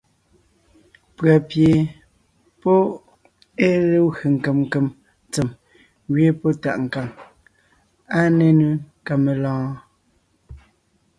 Pʉ̀a pie pɔ́ ée legwé nkem nkem tsem ngẅeen pɔ́ tàʼ nkàŋ. Áa nénʉ ka melɔ̀ɔn?